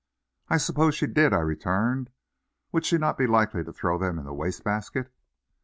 "I suppose she did," I returned; "would she not be likely to throw them in the waste basket?"